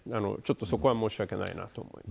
そこは申し訳ないなと思います。